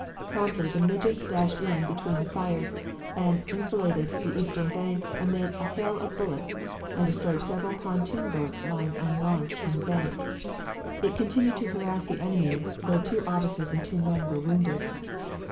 Promptly the midget dashed in between the fires and enfiladed the eastern bank amid a hail of bullets, and destroyed several pontoon boats lying unlaunched on the bank. It continued to harass the enemy, though two officers and two men were wounded.